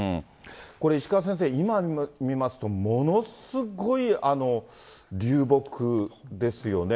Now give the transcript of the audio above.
これ、石川先生、今見ますと、ものすごい流木ですよね。